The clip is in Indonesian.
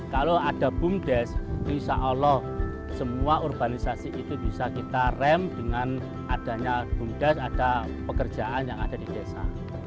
kalau ada bumdes insya allah semua urbanisasi itu bisa kita rem dengan adanya bumdes ada pekerjaan yang ada di desa